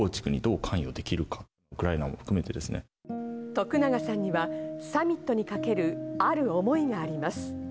徳永さんにはサミットにかけるある思いがあります。